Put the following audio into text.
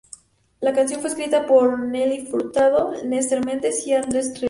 La canción fue escrita por Nelly Furtado, Lester Mendez y Andres Recio.